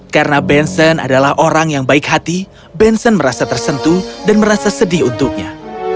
karena benson adalah orang yang baik hati benson merasa tersentuh dan merasa sedih untuknya